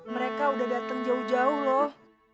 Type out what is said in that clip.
mereka udah datang jauh jauh loh